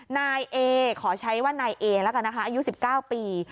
นายเอขอใช้ว่านายเอแล้วกันนะคะอายุ๑๙ปี